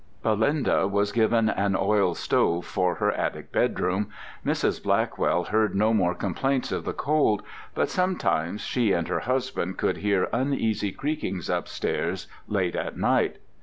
Belinda was given an oil stove for her attic bedroom. Mrs. Blackwell heard no more complaints of the cold, but sometimes she and her husband could hear uneasy creakings upstairs late at night.